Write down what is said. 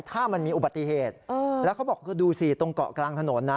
ถ้ามันมีอุบัติเหตุแล้วเขาบอกดูสิตรงเกาะกลางถนนนะ